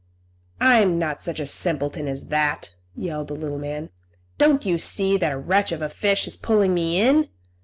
"I'm not such a simpleton as that!" yelled the little man. "Don't you see that a wretch of a fish is pulling me in?"